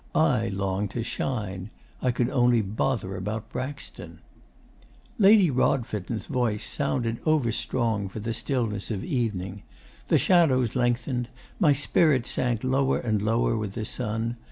I longed to shine. I could only bother about Braxton. 'Lady Rodfitten's voice sounded over strong for the stillness of evening. The shadows lengthened. My spirits sank lower and lower, with the sun.